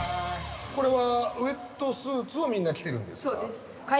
これはウエットスーツをみんな着てるんですか？